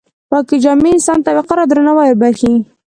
پاکې جامې انسان ته وقار او درناوی وربښي.